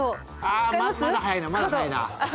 ああまだ早いなまだ早いな。